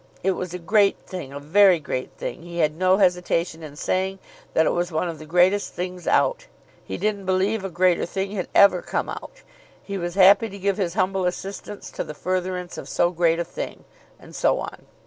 It was a great thing, a very great thing; he had no hesitation in saying that it was one of the greatest things out. He didn't believe a greater thing had ever come out. He was happy to give his humble assistance to the furtherance of so great a thing, and so on.